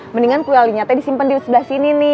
mendingan kualinya teh disimpan di sebelah sini nih